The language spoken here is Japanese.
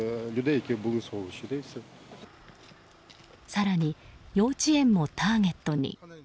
更に、幼稚園もターゲットに。